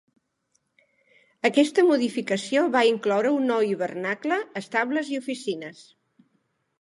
Aquesta modificació va incloure un nou hivernacle, estables i oficines.